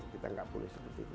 kita nggak boleh seperti itu